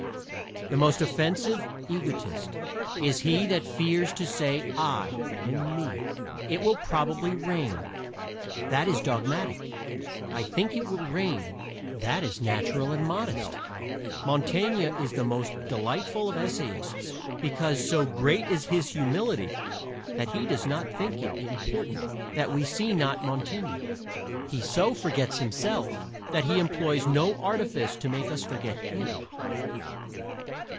The most offensive egotist is he that fears to say "I" and "me." "It will probably rain" that is dogmatic. "I think it will rain" that is natural and modest. Montaigne is the most delightful of essayists because so great is his humility that he does not think it important that we see not Montaigne. He so forgets himself that he employs no artifice to make us forget him.